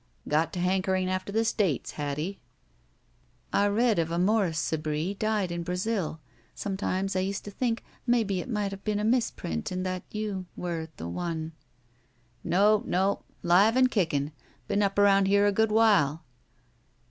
'' "Got to hankering after the States, Hattie." "I read of a Morris Sebree died in Brazil. Some times I used to think maybe it might have been a misprint — and — ^that — ^you — ^were — ^the — one. '' "No, no. 'Live and kickin'. Been up around here a good while."